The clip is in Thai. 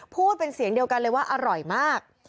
พูดเป็นเสียงเดียวกันเลยว่าอร่อยมาก